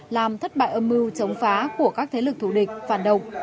làm thất bại âm mưu chống phá của các thế lực thủ địch phản động